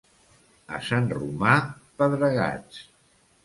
A Sant Romà, pedregats.